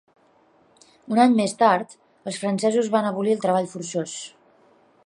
Un any més tard, els francesos van abolir el treball forçós.